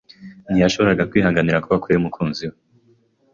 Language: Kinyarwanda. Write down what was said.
Ntiyashoboraga kwihanganira kuba kure yumukunzi we.